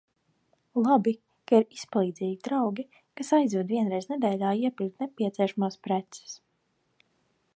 Labi, ka ir izpalīdzīgi draugi, kas aizved vienreiz nedēļā iepirkt nepieciešamās preces.